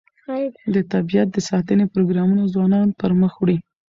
د طبیعت د ساتنې پروګرامونه ځوانان پرمخ وړي.